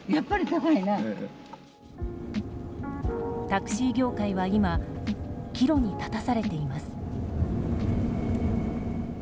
タクシー業界は今岐路に立たされています。